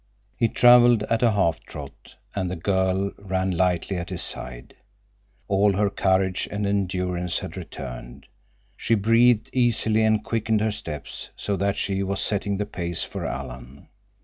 He traveled at a half trot, and the girl ran lightly at his side. All her courage and endurance had returned. She breathed easily and quickened her steps, so that she was setting the pace for Alan.